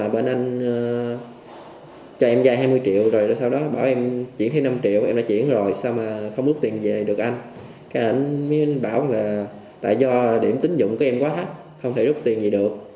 bây giờ phải chuyển cho bên anh thêm một mươi triệu nữa để nâng điểm tính dụng lên mới thể góp tiền về